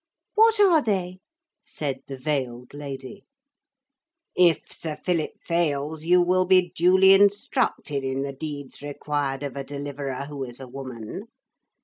'What are they?' said the veiled lady. 'If Sir Philip fails you will be duly instructed in the deeds required of a Deliverer who is a woman.